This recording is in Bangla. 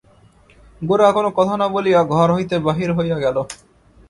গোরা কোনো কথা না বলিয়া ঘর হইতে বাহির হইয়া গেল।